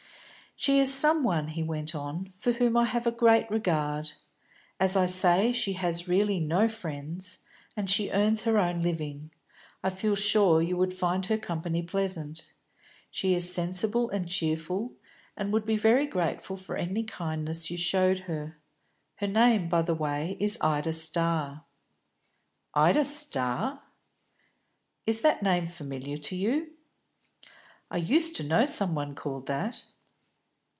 "She is some one," he went on, "for whom I have a great regard. As I say, she has really no friends, and she earns her own living. I feel sure you would find her company pleasant; she is sensible and cheerful, and would be very grateful for any kindness you showed her. Her name, by the by, is Ida Starr." "Ida Starr?" "Is the name familiar to you?" "I used to know some one called that."